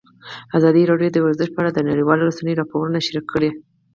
ازادي راډیو د ورزش په اړه د نړیوالو رسنیو راپورونه شریک کړي.